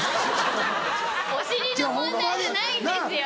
お尻の問題じゃないんですよ。